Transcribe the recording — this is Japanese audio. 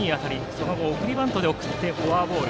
その後、送りバントで送ってフォアボール。